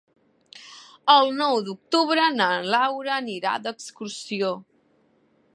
El nou d'octubre na Laura anirà d'excursió.